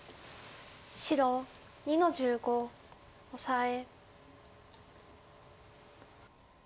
白２の十五オサエ。